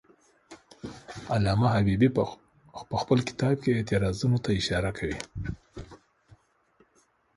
علامه حبیبي په خپل کتاب کې اعتراضونو ته اشاره کوي.